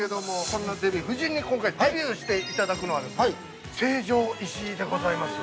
そんなデヴィ夫人に今回、デビューしていただくのは成城石井でございます。